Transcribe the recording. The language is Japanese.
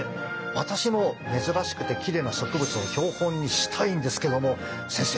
私も珍しくてきれいな植物を標本にしたいんですけども先生